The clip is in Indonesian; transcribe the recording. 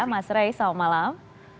mas ray selamat malam